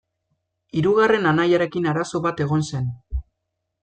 Hirugarren anaiarekin arazo bat egon zen.